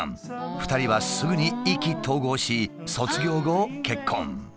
２人はすぐに意気投合し卒業後結婚。